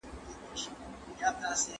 اوس پر څه دي جوړي کړي غلبلې دي